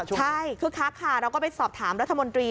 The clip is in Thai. ใช่คึกคักค่ะเราก็ไปสอบถามรัฐมนตรี